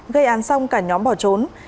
gây án xong cả nhóm bỏ trốn